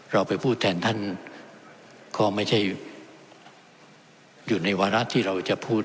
เราไปพูดแทนท่านก็ไม่ใช่อยู่ในวาระที่เราจะพูด